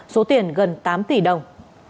số tiền gần tám tỷ đồng